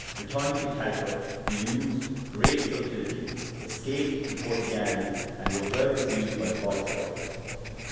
Returning to Calicut, he used great subtiltie, escaped to the Portugales, and was well received by the viceroy.